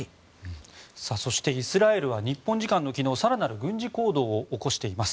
そしてイスラエルは日本時間の昨日更なる軍事行動を起こしています。